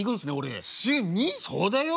そうだよ。